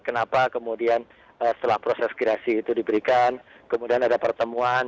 kenapa kemudian setelah proses gerasi itu diberikan kemudian ada pertemuan